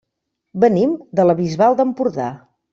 Venim de la Bisbal d'Empordà.